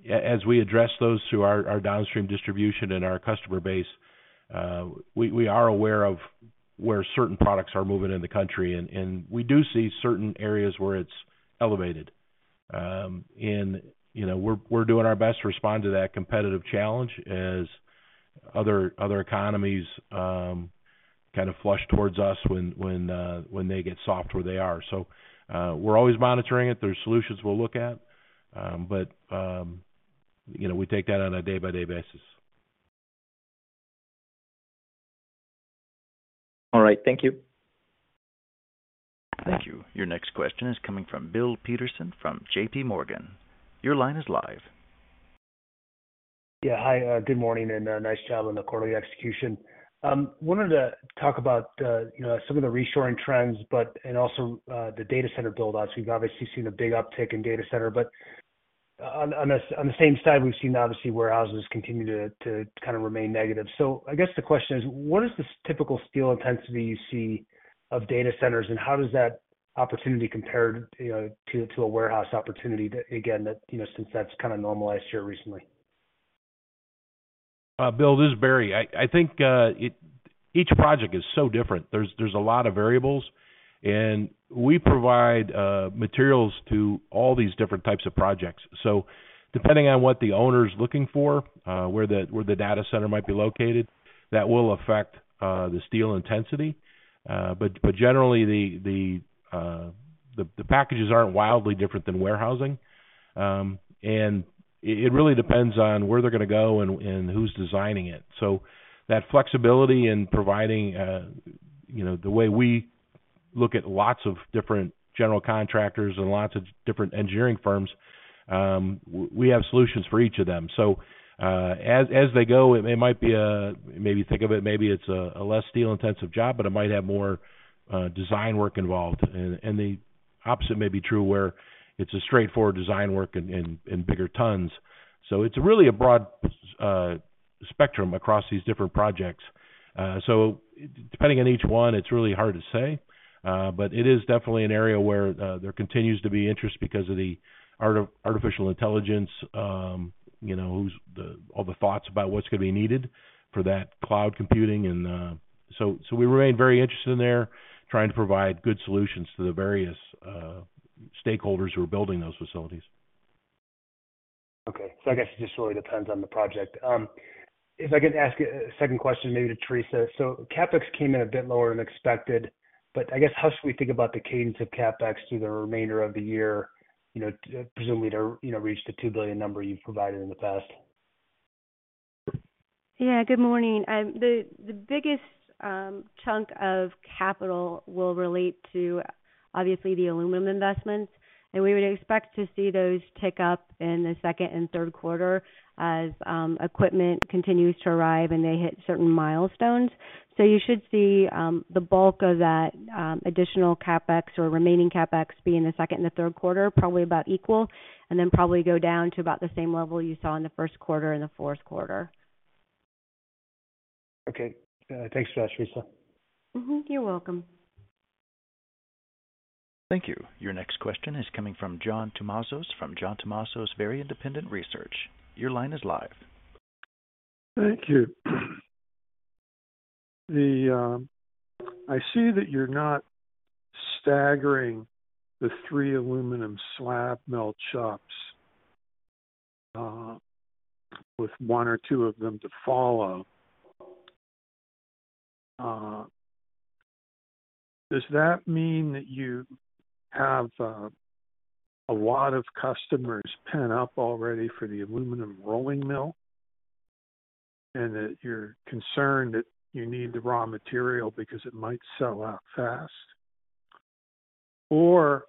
As we address those through our downstream distribution and our customer base, we are aware of where certain products are moving in the country, and we do see certain areas where it's elevated. And you know, we're doing our best to respond to that competitive challenge as other economies kind of flush towards us when they get soft where they are. So we're always monitoring it. There are solutions we'll look at, but you know, we take that on a day-by-day basis. All right. Thank you. Thank you. Your next question is coming from Bill Peterson from JPMorgan. Your line is live.... Yeah. Hi, good morning, and, nice job on the quarterly execution. Wanted to talk about, you know, some of the reshoring trends, but, and also, the data center build-outs. We've obviously seen a big uptick in data center, but on the same side, we've seen obviously warehouses continue to kind of remain negative. So I guess the question is: what is the typical steel intensity you see of data centers, and how does that opportunity compare to a warehouse opportunity that, again, that, you know, since that's kind of normalized here recently? Bill, this is Barry. I think each project is so different. There's a lot of variables, and we provide materials to all these different types of projects. So depending on what the owner's looking for, where the data center might be located, that will affect the steel intensity. But generally, the packages aren't wildly different than warehousing. And it really depends on where they're gonna go and who's designing it. So that flexibility in providing, you know, the way we look at lots of different general contractors and lots of different engineering firms, we have solutions for each of them. So, as they go, it might be a... Maybe think of it, maybe it's a less steel-intensive job, but it might have more design work involved. And the opposite may be true, where it's a straightforward design work and bigger tons. So it's really a broad spectrum across these different projects. So depending on each one, it's really hard to say. But it is definitely an area where there continues to be interest because of the artificial intelligence, you know, who's the... All the thoughts about what's gonna be needed for that cloud computing and... So we remain very interested in there, trying to provide good solutions to the various stakeholders who are building those facilities. Okay. So I guess it just really depends on the project. If I could ask a second question, maybe to Theresa. So CapEx came in a bit lower than expected, but I guess, how should we think about the cadence of CapEx through the remainder of the year, you know, presumably to, you know, reach the $2 billion number you've provided in the past? Yeah, good morning. The biggest chunk of capital will relate to, obviously, the aluminum investments, and we would expect to see those tick up in the second and third quarter as equipment continues to arrive, and they hit certain milestones. So you should see the bulk of that additional CapEx or remaining CapEx be in the second and the third quarter, probably about equal, and then probably go down to about the same level you saw in the first quarter and the fourth quarter. Okay. Thanks for that, Theresa. Mm-hmm, you're welcome. Thank you. Your next question is coming from John Tumazos, from John Tumazos Very Independent Research. Your line is live. Thank you. I see that you're not staggering the three aluminum slab melt shops with one or two of them to follow. Does that mean that you have a lot of customers pent up already for the aluminum rolling mill, and that you're concerned that you need the raw material because it might sell out fast? Or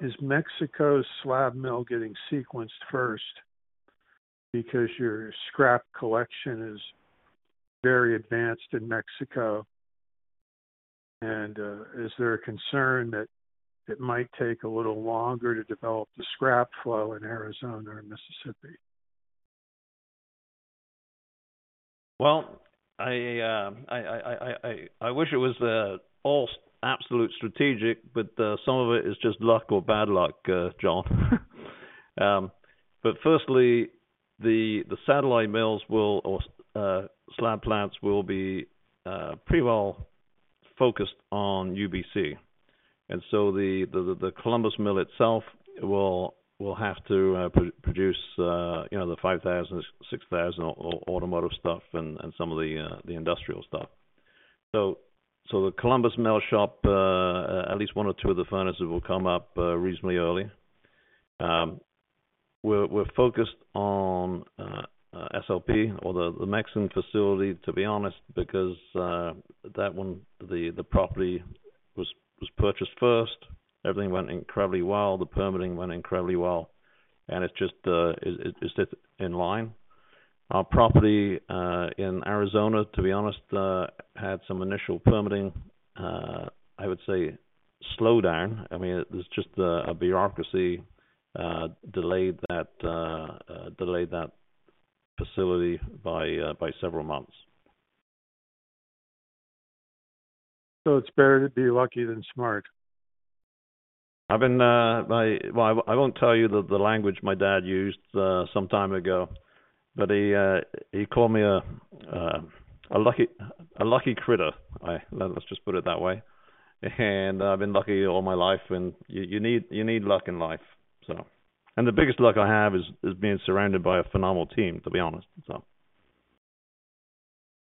is Mexico's slab mill getting sequenced first because your scrap collection is very advanced in Mexico, and, is there a concern that it might take a little longer to develop the scrap flow in Arizona or Mississippi? Well, I wish it was all absolute strategic, but some of it is just luck or bad luck, John. But firstly, the satellite mills, or slab plants, will be pretty well focused on UBC. And so the Columbus Mill itself will have to produce, you know, the 5,000-6,000 automotive stuff and some of the industrial stuff. So the Columbus Mill shop, at least one or two of the furnaces will come up reasonably early. We're focused on SLP or the Maxson facility, to be honest, because that one, the property was purchased first. Everything went incredibly well. The permitting went incredibly well, and it's just in line. Our property in Arizona, to be honest, had some initial permitting, I would say, slowdown. I mean, it was just a bureaucracy delayed that facility by several months. So it's better to be lucky than smart? I've been... Well, I won't tell you the language my dad used some time ago, but he called me a lucky critter. Let's just put it that way. And I've been lucky all my life, and you need luck in life, so... And the biggest luck I have is being surrounded by a phenomenal team, to be honest, so.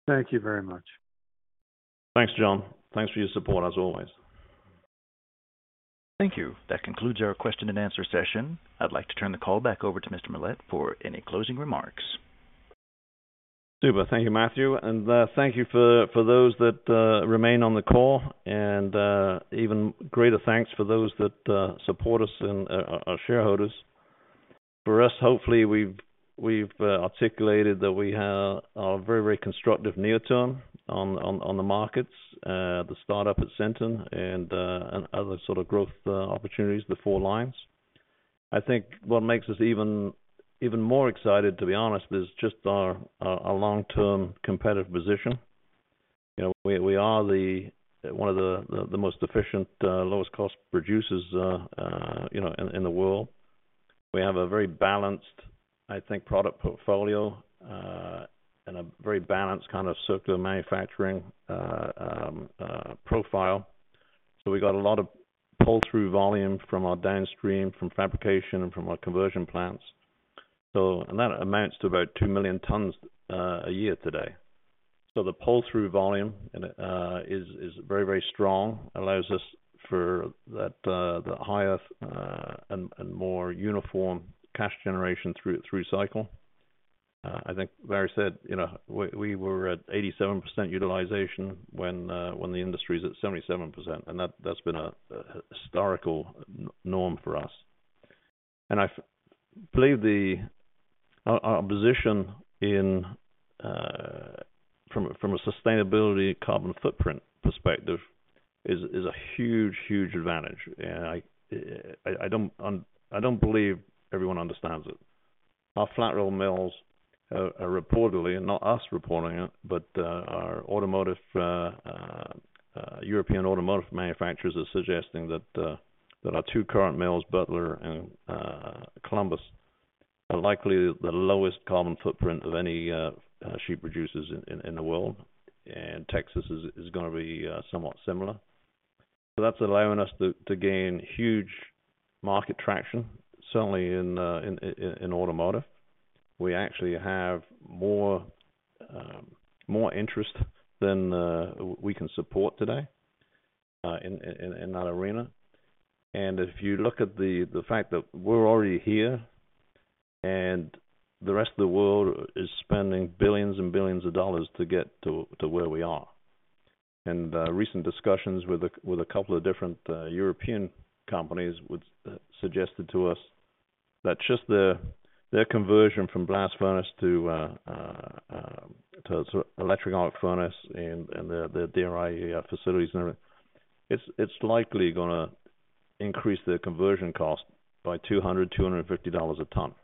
Thank you very much. Thanks, John. Thanks for your support, as always. Thank you. That concludes our question and answer session. I'd like to turn the call back over to Mr. Millett for any closing remarks.... Super. Thank you, Matthew, and thank you for those that remain on the call. And even greater thanks for those that support us and are shareholders. For us, hopefully, we've articulated that we have a very, very constructive near term on the markets, the startup at Sinton and other sort of growth opportunities, the four lines. I think what makes us even more excited, to be honest, is just our long-term competitive position. You know, we are one of the most efficient lowest-cost producers, you know, in the world. We have a very balanced, I think, product portfolio and a very balanced kind of circular manufacturing profile. So we got a lot of pull-through volume from our downstream, from fabrication, and from our conversion plants. And that amounts to about 2 million tons a year today. So the pull-through volume is very, very strong. Allows us for that the higher and more uniform cash generation through cycle. I think Barry said, you know, we were at 87% utilization when the industry is at 77%, and that's been a historical norm for us. And I believe our position from a sustainability carbon footprint perspective is a huge, huge advantage. And I don't believe everyone understands it. Our flat roll mills are reportedly, and not us reporting it, but our automotive European automotive manufacturers are suggesting that that our two current mills, Butler and Columbus, are likely the lowest carbon footprint of any sheet producers in in the world. And Texas is gonna be somewhat similar. So that's allowing us to gain huge market traction, certainly in in in automotive. We actually have more more interest than we can support today in in in that arena. And if you look at the fact that we're already here, and the rest of the world is spending billions and billions of dollars to get to where we are. Recent discussions with a couple of different European companies suggested to us that just their conversion from blast furnace to electric arc furnace and their DRI facilities and everything, it's likely gonna increase their conversion cost by $200-$250 a ton.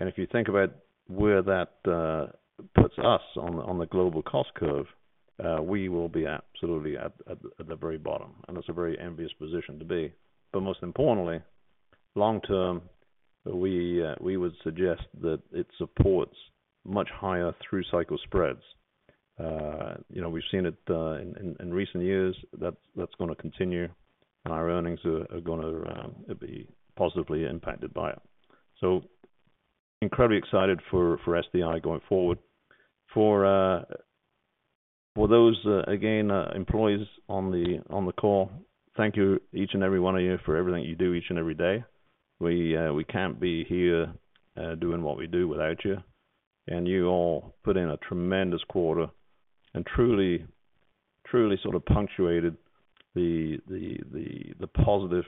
And if you think about where that puts us on the global cost curve, we will be absolutely at the very bottom, and that's a very envious position to be. But most importantly, long term, we would suggest that it supports much higher through-cycle spreads. You know, we've seen it in recent years, that's gonna continue, and our earnings are gonna be positively impacted by it. So incredibly excited for SDI going forward. For those, again, employees on the call, thank you each and every one of you, for everything you do each and every day. We, we can't be here, doing what we do without you. And you all put in a tremendous quarter and truly, truly sort of punctuated the positive,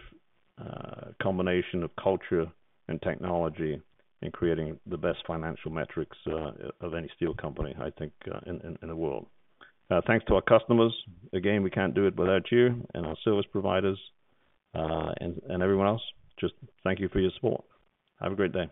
combination of culture and technology in creating the best financial metrics, of any steel company, I think, in the world. Thanks to our customers. Again, we can't do it without you and our service providers, and everyone else, just thank you for your support. Have a great day.